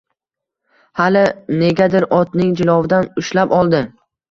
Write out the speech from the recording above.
Hali negadir otning jilovidan ushlab oldi